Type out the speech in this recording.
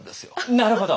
なるほど。